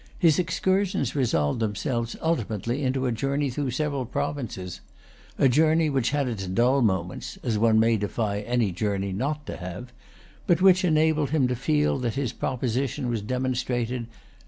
His excursions resolved themselves ulti mately into a journey through several provinces, a journey which had its dull moments (as one may defy any journey not to have), but which enabled him to feel that his proposition was demonstrated.